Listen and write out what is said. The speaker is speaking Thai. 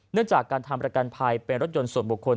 จากการทำประกันภัยเป็นรถยนต์ส่วนบุคคล